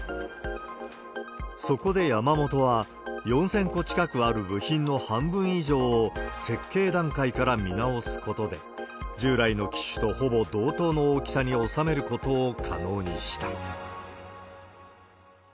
そこで山本は、４０００個近くある部品の半分以上を設計段階から見直すことで、従来の機種とほぼ同等の大きさに収めることを可能にした。